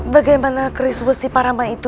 bagaimana keris wesi parama itu